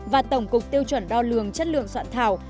và tổng cục tiêu chuẩn đo lường chất lượng soạn thảo